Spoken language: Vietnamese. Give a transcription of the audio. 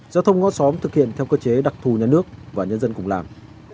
giao thông ngõ xóm thực hiện theo cơ chế đặc thù nhà nước và nhân dân cùng làm